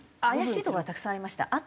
怪しいところはたくさんありました。